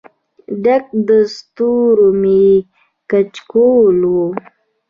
ډک د ستورو مې کچکول و